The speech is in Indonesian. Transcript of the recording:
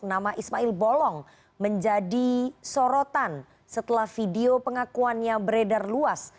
nama ismail bolong menjadi sorotan setelah video pengakuannya beredar luas